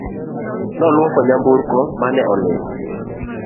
Noluoko nyamburko mane olil